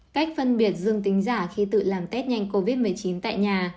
cách phân biệt dương tính giả khi tự làm test nhanh covid một mươi chín tại nhà